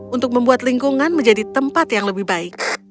untuk membuat lingkungan menjadi tempat yang lebih baik